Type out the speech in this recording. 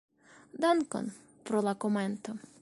Dankon pro la komento.